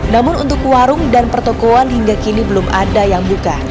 namun untuk warung dan pertokohan hingga kini belum ada yang buka